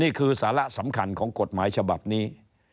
นี่คือสาระสำคัญของกฎหมายฉบับนี้